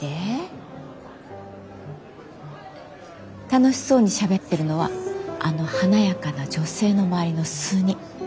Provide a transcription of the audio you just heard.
楽しそうにしゃべってるのはあの華やかな女性の周りの数人。